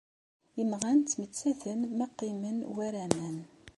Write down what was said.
Imɣan ttmettaten ma qqimen war aman.